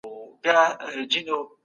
ظلم تلپاتې نه وي.